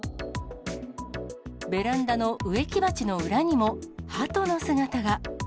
ベランダの植木鉢の裏にもハトの姿が。